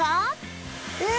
え！